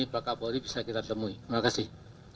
pak kapolri bisa kita temui terima kasih